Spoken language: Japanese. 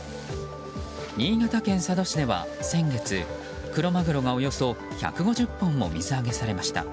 新潟県佐渡市では、先月クロマグロが先月、およそ１５０本も水揚げされました。